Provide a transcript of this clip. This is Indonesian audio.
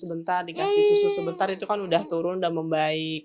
sebentar dikasih susu sebentar itu kan udah turun dan membaik